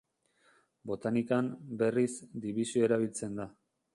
Botanikan, berriz, dibisio erabiltzen da.